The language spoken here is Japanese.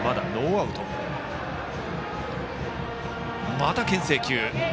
また、けん制球。